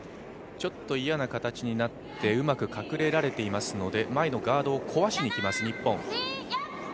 ちょっと嫌な形になって、うまく隠れられていますので前のガードを壊しにいきます日本。